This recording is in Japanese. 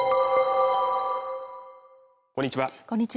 こんにちは